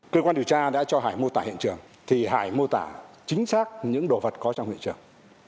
cơ quan điều tra đã cho hải mô tả hiện trường thì hải mô tả chính xác những đồ vật có trong hiện trường